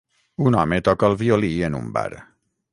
Un home toca el violí en un bar.